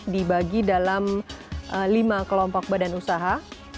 dibagi dalam lima kelompok badan usaha